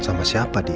sama siapa dia